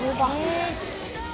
え。